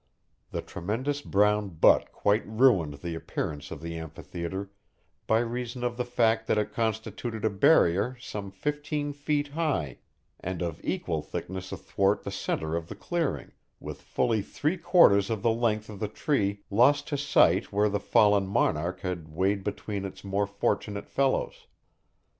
The tremendous brown butt quite ruined the appearance of the amphitheatre by reason of the fact that it constituted a barrier some fifteen feet high and of equal thickness athwart the centre of the clearing, with fully three quarters of the length of the tree lost to sight where the fallen monarch had wedged between its more fortunate fellows.